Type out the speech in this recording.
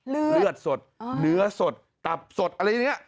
เลือดสดเนื้อสดตับสดอะไรอย่างนี้